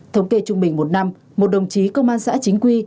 thống kê trung bình một năm một đồng chí công an xã chính quy